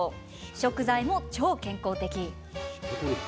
食材も超健康的。